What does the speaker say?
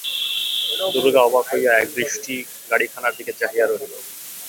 দুর্গা অবাক হইয়া একদৃষ্টি গাড়িখানার দিকে চাহিয়া রহিল।